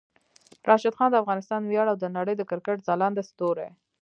راشد خان د افغانستان ویاړ او د نړۍ د کرکټ ځلانده ستوری